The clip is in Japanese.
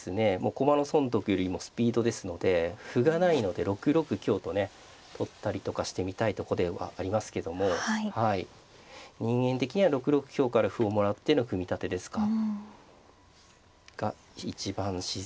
駒の損得よりもスピードですので歩がないので６六香とね取ったりとかしてみたいとこではありますけどもはい人間的には６六香から歩をもらっての組み立てですか。が一番自然ですね。